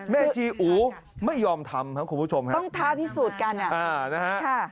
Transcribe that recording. แม่ชีอูไม่ยอมทำครับคุณผู้ชมครับต้องท้าพิสูจน์กันนะฮะค่ะ